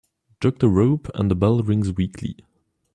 Jerk the rope and the bell rings weakly.